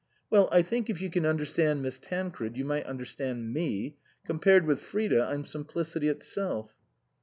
"Well, I think if you can understand Miss Tancred you might understand me. Compared with Frida I'm simplicity itself."